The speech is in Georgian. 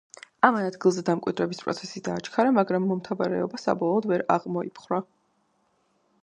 ამან ადგილზე დამკვიდრების პროცესი დააჩქარა, მაგრამ მომთაბარეობა საბოლოოდ ვერ აღმოიფხვრა.